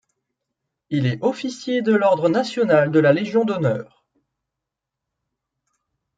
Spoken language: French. Il est officier de l’ordre national de la Légion d'honneur.